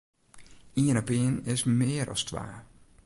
Ien en ien is mear as twa.